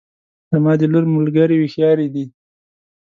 زما د لور ملګرې هوښیارې دي